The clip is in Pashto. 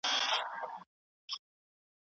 سفارتي اړیکي څنګه پیاوړې کیږي؟